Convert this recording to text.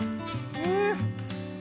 うん！